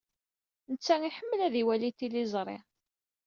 Netta iḥemmel ad iwali tiliẓri.